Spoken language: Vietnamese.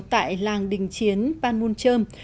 tại làng đình chiến ban môn trơm